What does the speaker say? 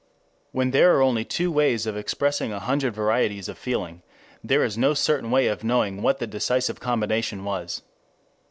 When there are only two ways of expressing a hundred varieties of feeling, there is no certain way of knowing what the decisive combination was.